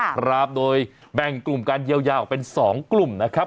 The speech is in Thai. ครับโดยแบ่งกลุ่มการเยียวยาออกเป็น๒กลุ่มนะครับ